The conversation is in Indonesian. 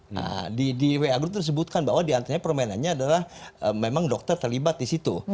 nah di wa group tersebutkan bahwa diantaranya permainannya adalah memang dokter terlibat di situ